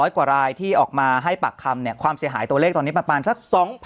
กว่ารายที่ออกมาให้ปากคำความเสียหายตัวเลขตอนนี้ประมาณสัก๒๐๐๐